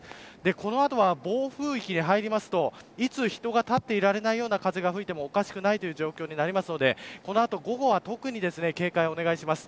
この後は暴風域に入りますといつ人が立っていられないような風が吹いてもおかしくない状況になるのでこの後、午後は特に警戒をお願いします。